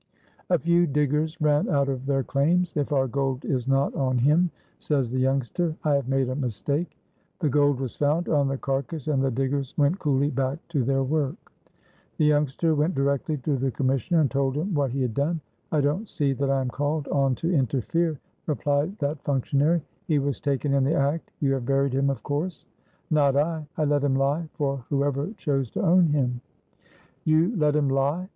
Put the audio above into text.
A few diggers ran out of their claims. "If our gold is not on him," says the youngster, "I have made a mistake." The gold was found on the carcass, and the diggers went coolly back to their work. The youngster went directly to the commissioner and told him what he had done. "I don't see that I am called on to interfere," replied that functionary; "he was taken in the act; you have buried him, of course." "Not I. I let him lie for whoever chose to own him." "You let him lie?